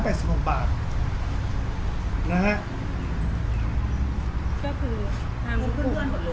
แบบสิบหุ้บบาทก็คือ